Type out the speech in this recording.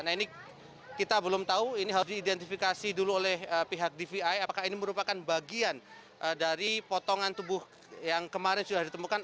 nah ini kita belum tahu ini harus diidentifikasi dulu oleh pihak dvi apakah ini merupakan bagian dari potongan tubuh yang kemarin sudah ditemukan